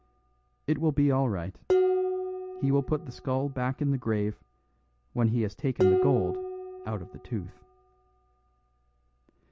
"It will be all right. He will put the skull back in the grave, when he has taken the gold out of the tooth."